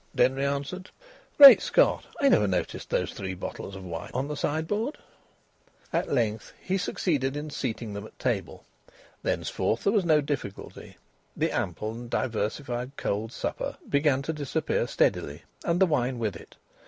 Denry answered. "Great Scott! I never noticed those three bottles of wine on the sideboard." At length he succeeded in seating them at the table. Thenceforward there was no difficulty. The ample and diversified cold supper began to disappear steadily, and the wine with it.